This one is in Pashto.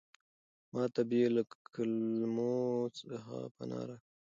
ما ته بې له کلمو څخه پناه راکړه.